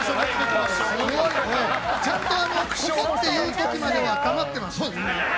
ちゃんと、ここという時までは黙ってます。